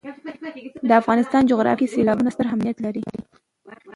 د افغانستان جغرافیه کې سیلابونه ستر اهمیت لري.